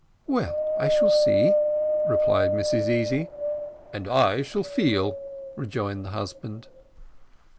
"Well, I shall see," replied Mrs Easy. "And I shall feel," rejoined the husband.